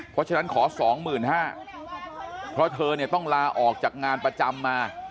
เพราะฉะนั้นขอ๒๕๐๐บาทเพราะเธอเนี่ยต้องลาออกจากงานประจำมา